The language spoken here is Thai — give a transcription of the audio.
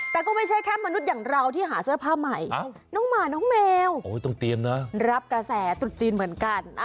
แต่ก็ไม่ใช่แค่มนุษย์อย่างเราที่หาเสื้อผ้าใหม่น้องหมาน้องแมวต้องเตรียมนะรับกระแสตรุษจีนเหมือนกัน